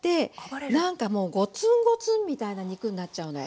何かもうゴツンゴツンみたいな肉になっちゃうの。